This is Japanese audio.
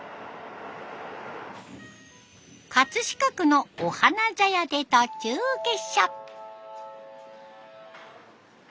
飾区のお花茶屋で途中下車。